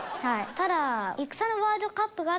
ただ。